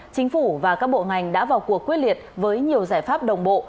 chính phủ và các bộ ngành đã vào cuộc quyết liệt với nhiều giải pháp đồng bộ